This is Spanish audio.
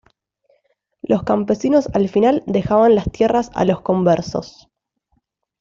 Los campesinos al final dejaban las tierras a los conversos.